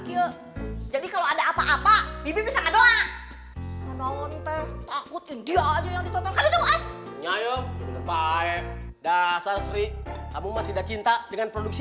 kira jadi kalau ada apa apa bisa doang takut india aja yang ditonton nyanyi